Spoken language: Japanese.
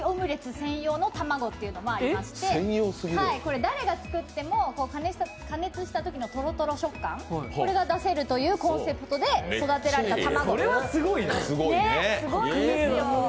専用たまごというのもありまして誰が作っても、加熱したときのトロトロ食感が出せるというコンセプトで育てられた卵。